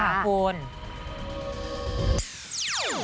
ค่ะโคล